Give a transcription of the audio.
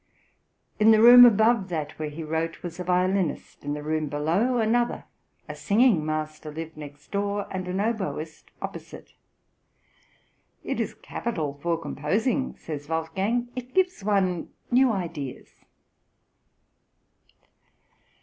In the room above that where he wrote was a violinist, in the room below another; a singing master lived next door, and an oboist opposite. "It is capital for composing," says Wolfgang; "it gives one new ideas."